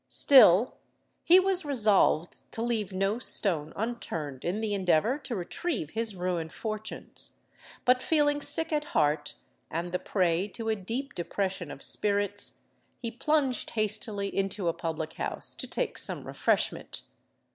Still he was resolved to leave no stone unturned in the endeavour to retrieve his ruined fortunes; but feeling sick at heart and the prey to a deep depression of spirits, he plunged hastily into a public house to take some refreshment.